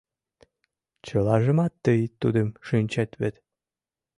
Чылажымат тый тудым шинчет вет